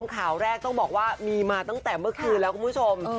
ข่าวแรกต้องบอกว่ามีมาตั้งแต่เมื่อคืนแล้วคุณผู้ชม